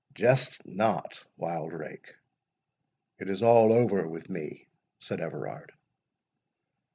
"Jest not, Wildrake—it is all over with me," said Everard.